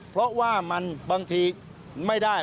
เพราะว่ามันบางทีไม่ได้